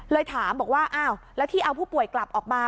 ถามบอกว่าอ้าวแล้วที่เอาผู้ป่วยกลับออกมา